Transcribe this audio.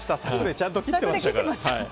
ちゃんと切っていましたから。